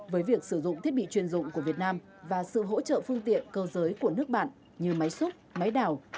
với việc sử dụng thiết bị chuyên dụng của việt nam và sự hỗ trợ phương tiện cơ giới của nước bạn như máy xúc máy đảo